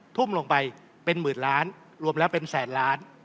ทุ่มลงไปเป็นหมื่นล้านรวมแล้วเป็นแสนล้าน